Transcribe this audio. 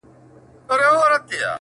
جهاني زر ځله یې نن سبا ته و زوکلېدم,